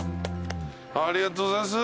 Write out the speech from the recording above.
ありがとうございます。